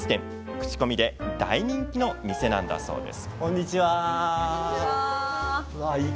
口コミで大人気の店なんだそうです。